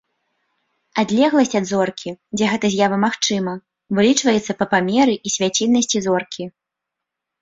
Адлегласць ад зоркі, дзе гэта з'ява магчыма, вылічваецца па памеры і свяцільнасці зоркі.